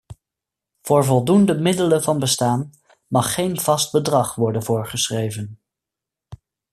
Voor voldoende middelen van bestaan mag geen vast bedrag worden voorgeschreven.